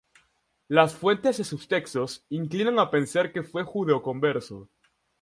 Las fuentes de sus textos inclinan a pensar que fue judeoconverso.